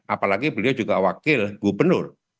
apalagi beliau juga wakil gubernur